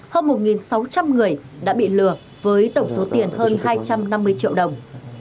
hơn một sáu trăm linh người đã bị lừa với tổng số tiền hơn hai trăm năm mươi triệu đồng